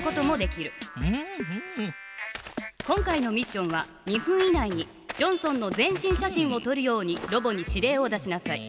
今回のミッションは２分以内にジョンソンの全身写真をとるようにロボに指令を出しなさい。